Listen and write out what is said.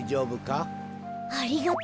ありがとうカメ。